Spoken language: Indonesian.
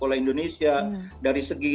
oleh indonesia dari segi